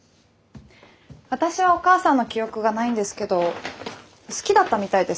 私はお母さんの記憶がないんですけど好きだったみたいです